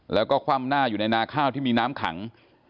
แล้วก็คว่ำหน้าอยู่ในนาข้าวที่มีน้ำขัง